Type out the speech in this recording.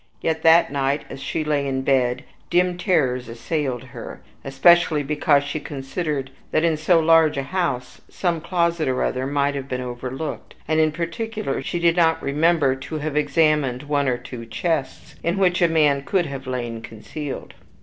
Yet that night, as she lay in bed, dim terrors assailed her, especially because she considered that, in so large a house, some closet or other might have been overlooked, and, in particular, she did not remember to have examined one or two chests, in which a man could have lain concealed.